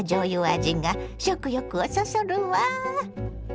味が食欲をそそるわ。